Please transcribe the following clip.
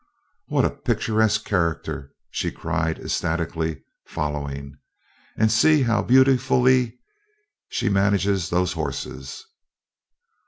"What a picturesque character!" she cried ecstatically, following. "And see how beau tee fully she manages those horses!"